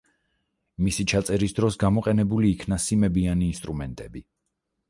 მისი ჩაწერის დროს გამოყენებული იქნა სიმებიანი ინსტრუმენტები.